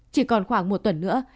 chỉ còn khoảng một tuần nữa